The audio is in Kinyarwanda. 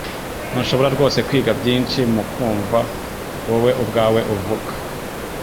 Ntushobora rwose kwiga byinshi mu kumva wowe ubwawe uvuga